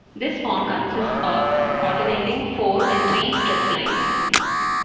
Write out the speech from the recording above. This form consists of alternating four- and three-stress lines.